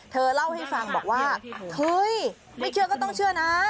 เธอเล่าให้ฟังบอกว่าเฮ้ยไม่เชื่อก็ต้องเชื่อนะ